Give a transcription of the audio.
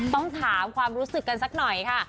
ต้องถามความรู้สึกกันสักหน่อยค่ะ